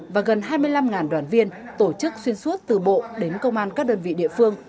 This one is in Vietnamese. và gần hai mươi năm đoàn viên tổ chức xuyên suốt từ bộ đến công an các đơn vị địa phương